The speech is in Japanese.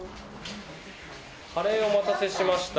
カレーお待たせしました。